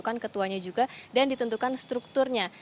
bukan ketuanya juga dan ditentukan strukturnya